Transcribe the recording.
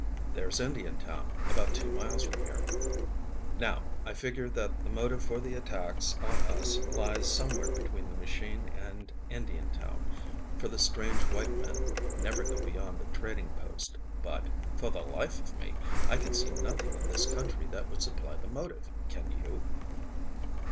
There's Indiantown, about two miles from here. Now, I figure that the motive for the attacks on us lies somewhere between the machine and Indiantown, for the strange white men never go beyond the trading post, but, for the life of me, I can see nothing in this country that would supply the motive, can you?"